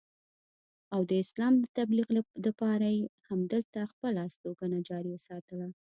او د اسلام د تبليغ دپاره ئې هم دلته خپله استوګنه جاري اوساتله